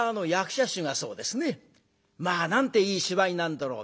「まあなんていい芝居なんだろう」